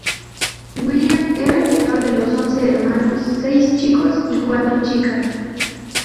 William era el menor los once hermanos, seis chicos y cuatro chicas.